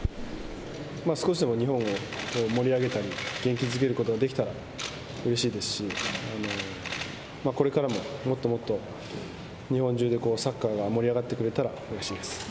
少しでも日本を盛り上げたり、元気づけることができたら、うれしいですし、これからももっともっと日本中でこう、サッカーが盛り上がってくれたらうれしいです。